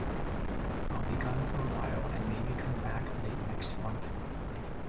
I'll be gone for a while and maybe come back late next month.